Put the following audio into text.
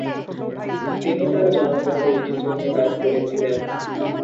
তিনি তার জনগণের ঐতিহ্য নিয়ে কাজ করেছিলেন।